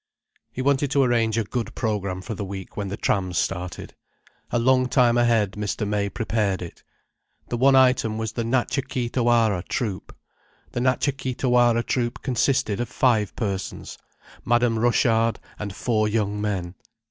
He wanted to arrange a good program for the week when the trams started. A long time ahead, Mr. May prepared it. The one item was the Natcha Kee Tawara Troupe. The Natcha Kee Tawara Troupe consisted of five persons, Madame Rochard and four young men.